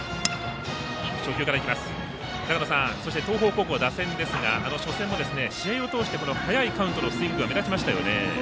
そして、東邦高校の打線ですが初戦は、試合を通して早いカウントのスイングが目立ちましたよね。